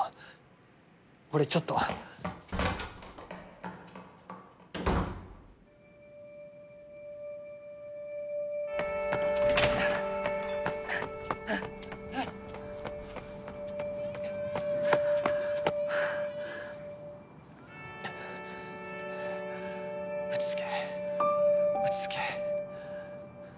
俺ちょっと落ち着け落ち着け